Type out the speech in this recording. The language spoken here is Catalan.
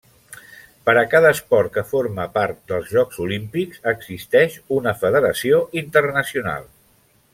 Per a cada esport que forma part dels Jocs Olímpics existeix una Federació Internacional.